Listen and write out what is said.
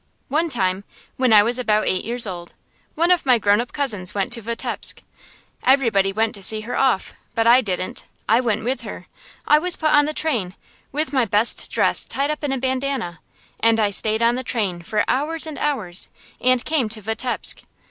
One time, when I was about eight years old, one of my grown up cousins went to Vitebsk. Everybody went to see her off, but I didn't. I went with her. I was put on the train, with my best dress tied up in a bandana, and I stayed on the train for hours and hours, and came to Vitebsk.